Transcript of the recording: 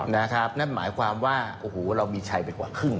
นั่นหมายความว่าโอ้โหเรามีชัยไปกว่าครึ่ง